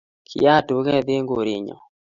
kiyat duke eng' kore nyo